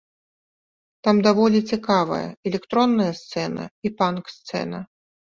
Там даволі цікавая электронная сцэна і панк-сцэна.